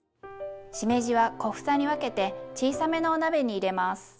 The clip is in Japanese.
しめじは小房に分けて小さめのお鍋に入れます。